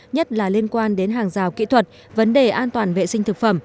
nhất là liên quan đến hàng rào kỹ thuật vấn đề an toàn vệ sinh